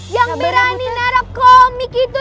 yang berani narap komik itu